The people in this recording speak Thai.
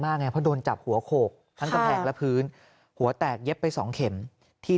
มากไงเพราะโดนจับหัวโขบและพื้นหัวแตกเย็บไป๒เข็มที่